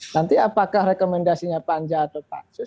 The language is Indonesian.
nanti apakah rekomendasinya panja atau pansus